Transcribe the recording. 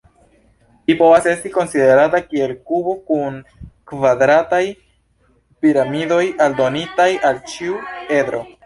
Ĝi povas esti konsiderata kiel kubo kun kvadrataj piramidoj aldonitaj al ĉiu edro.